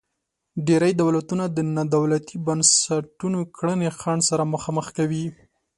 ډیری دولتونه د نا دولتي بنسټونو کړنې خنډ سره مخامخ کوي.